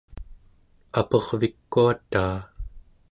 apervikuataa